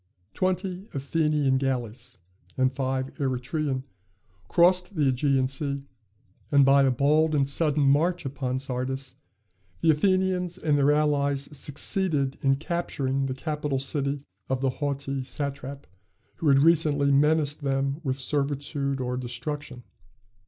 Twenty Athenian galleys, and five Eretrian, crossed the Ægean Sea, and by a bold and sudden march upon Sardis, the Athenians and their allies succeeded in capturing the capital city of the haughty satrap who had recently menaced them with servitude or destruction.